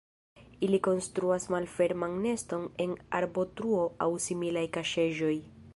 Ili konstruas malferman neston en arbotruo aŭ similaj kaŝeĵoj.